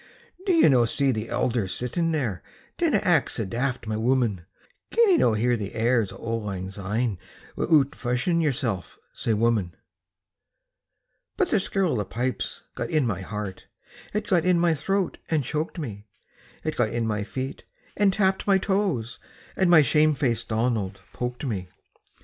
"Do ye no see the elder sitting there? Dinna act sae daft, my wooman. Can ye no hear the airs o' auld lang syne Wi'oot fashin' yersel' sae, wooman?" But the skirl o' the pipes got in my heart, It got in my throat and choked me, It got in my feet, and tapped my toes, And my shame faced Donald poked me.